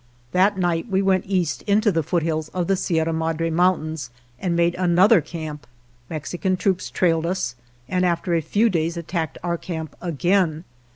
B That night we went east into the foothills of the Sierra Madre Mountains and made another camp. Mexican troops trailed us, and after a few days attacked our camp again.